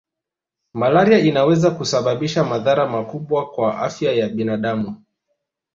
Malaria inaweza kusababisha madhara makubwa kwa afya ya binadamu